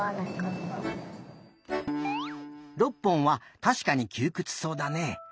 ６本はたしかにきゅうくつそうだね。